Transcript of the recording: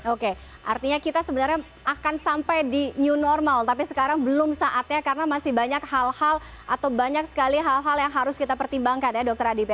oke artinya kita sebenarnya akan sampai di new normal tapi sekarang belum saatnya karena masih banyak hal hal atau banyak sekali hal hal yang harus kita pertimbangkan ya dokter adip